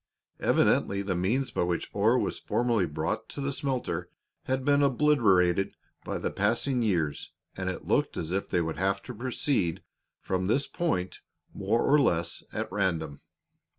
Evidently the means by which ore was formerly brought to the smelter had been obliterated by the passing years, and it looked as if they would have to proceed from this point more or less at random.